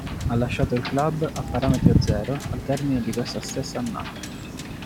Ha lasciato il club a parametro zero al termine di questa stessa annata.